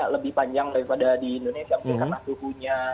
lebih panjang daripada di indonesia mungkin karena suhunya